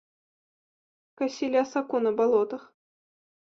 Касілі асаку на балотах.